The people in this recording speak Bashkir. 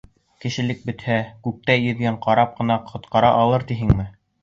Кешелек бөтһә, күктә йөҙгән карап ҡына ҡотҡара алыр тиһеңме?